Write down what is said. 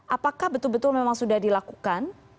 apakah betul betul memang sudah dilakukan